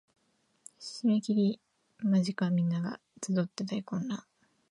締切間近皆が集って大混乱